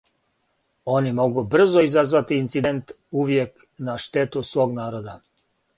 Они могу брзо изазвати инцидент, увијек на штету свог народа.